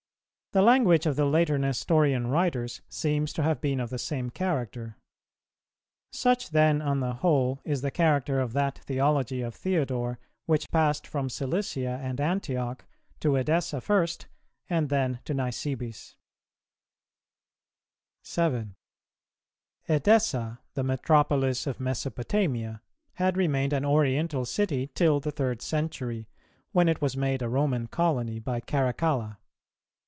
The language of the later Nestorian writers seems to have been of the same character.[291:2] Such then on the whole is the character of that theology of Theodore which passed from Cilicia and Antioch to Edessa first, and then to Nisibis. 7. Edessa, the metropolis of Mesopotamia, had remained an Oriental city till the third century, when it was made a Roman colony by Caracalla.